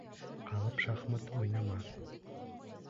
Ҡалып шахмат уйнама...